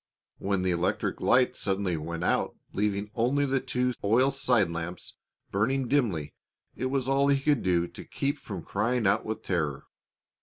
When the electric lights suddenly went out leaving only the two oil side lamps burning dimly, it was all he could do to keep from crying out with terror.